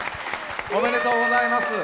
おめでとうございます。